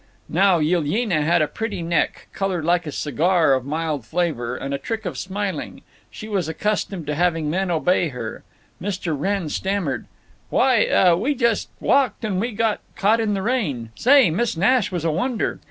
Now, Yilyena had a pretty neck, colored like a cigar of mild flavor, and a trick of smiling. She was accustomed to having men obey her. Mr. Wrenn stammered: "Why—uh—we just walked, and we got caught in the rain. Say, Miss Nash was a wonder.